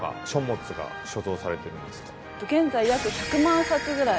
現在約１００万冊ぐらい。